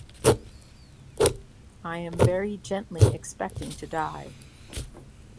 I am very gently expecting to die.